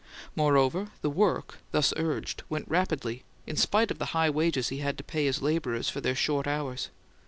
Moreover, the work, thus urged, went rapidly, in spite of the high wages he had to pay his labourers for their short hours.